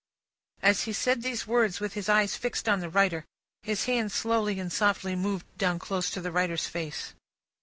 '" As he said these words with his eyes fixed on the writer, his hand slowly and softly moved down close to the writer's face.